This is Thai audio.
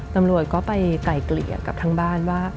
ตำรวจก็ไปไกลเกลี่ยกับทางบ้านว่า